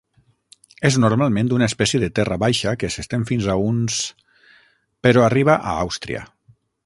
És normalment una espècie de terra baixa que s'estén fins a uns... però arriba a Àustria.